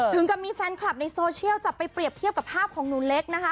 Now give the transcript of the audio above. ถึงกับมีแฟนคลับในโซเชียลจับไปเปรียบเทียบกับภาพของหนูเล็กนะคะ